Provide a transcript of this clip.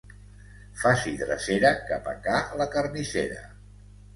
Faci drecera cap a ca la carnissera.